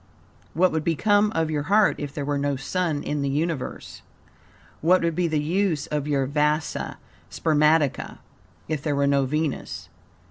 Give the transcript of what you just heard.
What would become of your heart if there were no Sun in the Universe? What would be the use of your 'Vasa Spermatica'[*] if there were no Venus?